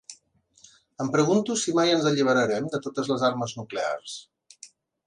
Em pregunto si mai ens alliberarem de totes les armes nuclears.